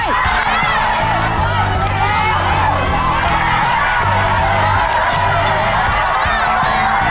ทุกคนค่ะ